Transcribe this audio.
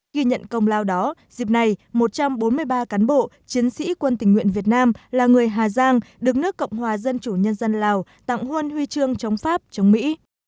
ghi nhận công lao đó dịp này một trăm bốn mươi ba cán bộ chiến sĩ quân tình nguyện việt nam là người hà giang được nước cộng hòa dân chủ nhân dân lào tặng huân huy trương chống pháp chống mỹ